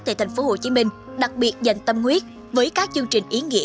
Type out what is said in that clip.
tkdas ở thành phố hồ chí minh đặc biệt dành tâm nguyết với các chương trình ý nghĩa